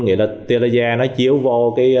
nghĩa là tia lây da nó chiếu vô cái tia lây da